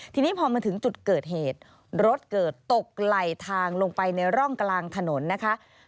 ทีนี้พอมาถึงจุดเกิดเหตุรถเกิดตกไหลทางลงไปในร่องกลางถนนนะคะ